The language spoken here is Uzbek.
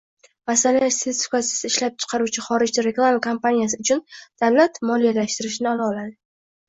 Masalan, sertifikatsiz ishlab chiqaruvchi xorijda reklama kampaniyasi uchun davlat moliyalashtirishini ololadi.